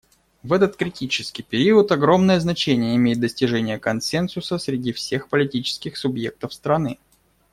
В этот критический период огромное значение имеет достижение консенсуса среди всех политических субъектов страны.